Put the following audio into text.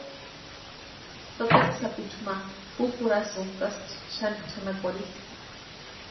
Tataka sapichu ma pupurhasïntasti xani chʼanakwarhini.